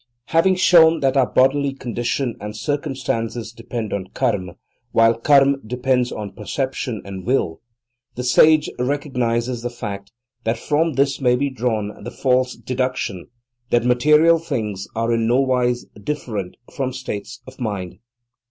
Having shown that our bodily condition and circumstances depend on Karma, while Karma depends on perception and will, the sage recognizes the fact that from this may be drawn the false deduction that material things are in no wise different from states of mind.